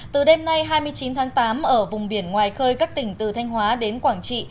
từ đêm nay hai mươi chín tháng tám ở vùng biển ngoài khơi các tỉnh từ thanh hóa đến quảng trị